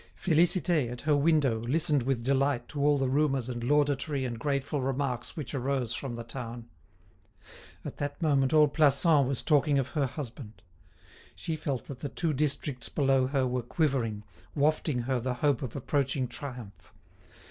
Félicité, at her window, listened with delight to all the rumours and laudatory and grateful remarks which arose from the town. At that moment all Plassans was talking of her husband. She felt that the two districts below her were quivering, wafting her the hope of approaching triumph.